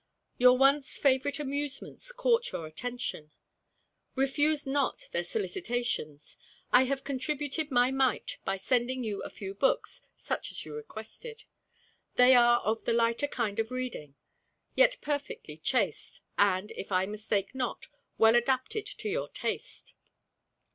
Your once favorite amusements court your attention. Refuse not their solicitations. I have contributed my mite by sending you a few books, such as you requested. They are of the lighter kind of reading, yet perfectly chaste, and, if I mistake not, well adapted to your taste.